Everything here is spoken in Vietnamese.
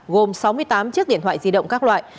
gồm sáu mươi tám chiếc điện thoại di động các loại